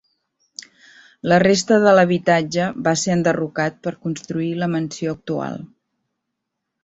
La resta de l'habitatge va ser enderrocat per construir la mansió actual.